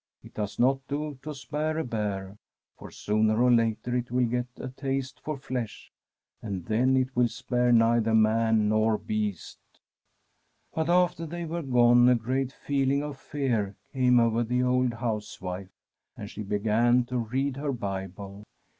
It does not do to spare a bear, for sooner or later it will get a taste for flesh, and then it will spare neither man nor beast. But after they were gone a great feeling of fear [ 303 ] Frm a SffEDISH HOMESTEAD came over the old housewife, and she began to read her Bible.